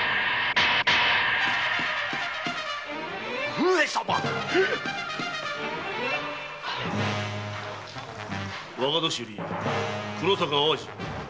上様若年寄・黒坂淡路。